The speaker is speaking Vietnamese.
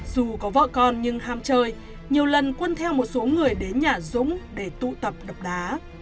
dù có vợ con nhưng ham chơi nhiều lần quân theo một số người đến nhà dũng để tụ tập độc đá